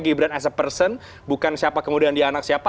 gibran as a person bukan siapa kemudian dia anak siapa